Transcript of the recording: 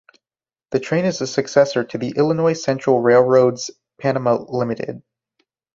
The train is a successor to the Illinois Central Railroad's "Panama Limited".